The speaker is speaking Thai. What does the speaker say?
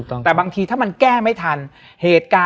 และวันนี้แขกรับเชิญที่จะมาเยี่ยมในรายการสถานีผีดุของเรา